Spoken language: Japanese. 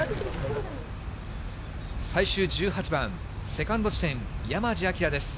最終１８番セカンド地点、山路晶です。